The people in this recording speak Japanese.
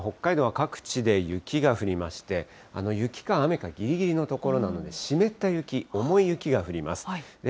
きょうは北海道は各地で雪が降りまして、雪か雨かぎりぎりのところなので、湿った雪、重い雪が降ります。